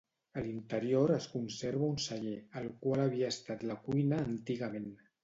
A l'interior es conserva un celler, el qual havia estat la cuina antigament.